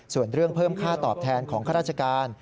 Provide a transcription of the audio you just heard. ส่วนเรื่องเพิ่มค่าตอบแทนของข้าราชการ